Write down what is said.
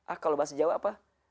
ah kalau bahasa jawa apa